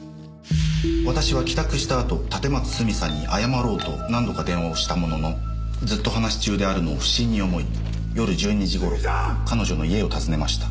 「私は帰宅したあと立松スミさんに謝ろうと何度か電話をしたもののずっと話し中であるのを不審に思い夜１２時頃彼女の家を訪ねました」